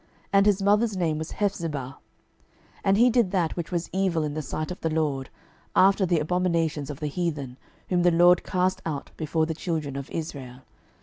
And his mother's name was Hephzibah. 12:021:002 And he did that which was evil in the sight of the LORD, after the abominations of the heathen, whom the LORD cast out before the children of Israel.